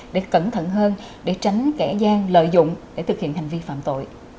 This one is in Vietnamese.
để cẩn thận hơn để tránh kẻ gian lợi dụng để thực hiện hành vi phạm tội